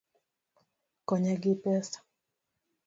Konya gi pesa